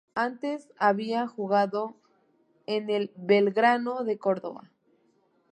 Antes había jugado en el Belgrano de Córdoba.